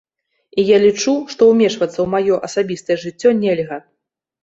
І я лічу, што ўмешвацца ў маё асабістае жыццё нельга.